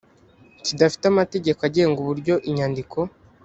kidafite amategeko agenga uburyo inyandiko